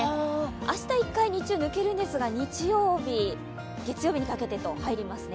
明日１回、日中抜けるんですが、日曜日、月曜日にかけてと入りますね。